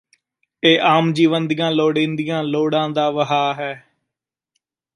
ਇਹ ਆਮ ਜੀਵਨ ਦੀਆਂ ਲੋੜੀਦੀਆਂ ਲੋੜਾਂ ਦਾ ਵਹਾਂ ਹੈ